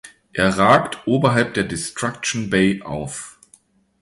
Er ragt oberhalb der Destruction Bay auf.